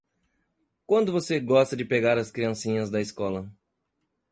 Quando você gosta de pegar as criancinhas da escola?